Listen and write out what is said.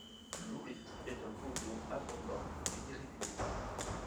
L'Ourik est un cours d'eau abondant, mais irrégulier.